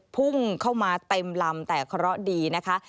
พุ่งเข้ามาเต็มลำแต่เคราะห์ดีนะคะ